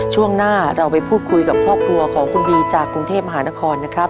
ช่วงหน้าเราไปพูดคุยกับครอบครัวของคุณบีจากกรุงเทพมหานครนะครับ